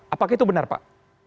apakah itu benar pak